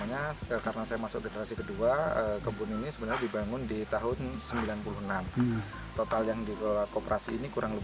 ya kita tadi sudah saksikan